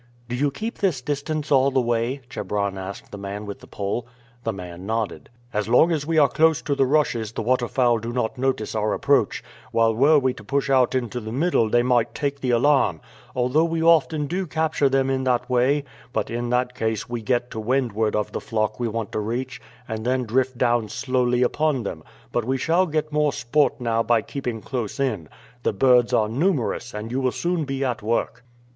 "Do you keep this distance all the way?" Chebron asked the man with the pole. The man nodded. "As long as we are close to the rushes the waterfowl do not notice our approach, while were we to push out into the middle they might take the alarm; although we often do capture them in that way, but in that case we get to windward of the flock we want to reach, and then drift down slowly upon them, but we shall get more sport now by keeping close in. The birds are numerous, and you will soon be at work."